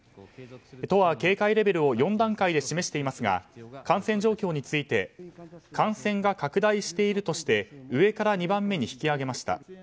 都は警戒レベルを４段階で示していますが感染状況について感染が拡大しているとして上から２番目に引き上げました。